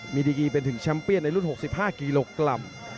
มีดีกีเป็นถึงแชมป์เี้ยนในรุ่น๖๕กิโลกรัม